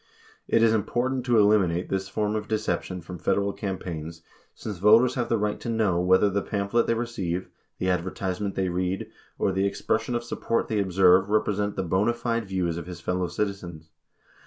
It is important to eliminate this form of deception from Federal campaigns since voters have the right, to know whether the pamphlet they receive, the advertisement they read, or the expression of sup port they observe represent the bona fide views of his fellow citizens.